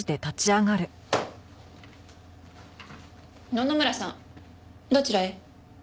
野々村さんどちらへ？